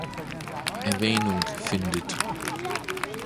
Erwähnung findet.